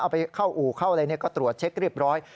ไปเข้าอู่เข้าอะไรก็ตรวจเช็คเรียบร้อย